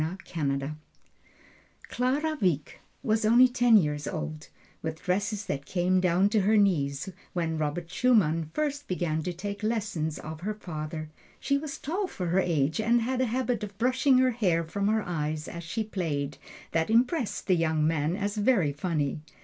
Clara Wieck was only ten years old, with dresses that came to her knees, when Robert Schumann first began to take lessons of her father. She was tall for her age, and had a habit of brushing her hair from her eyes as she played, that impressed the young man as very funny.